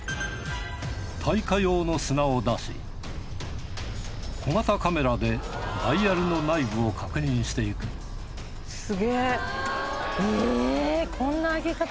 耐火用の砂を出し小型カメラでダイヤルの内部を確認していくすげ。